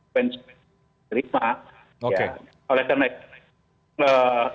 terima ya oleh konektif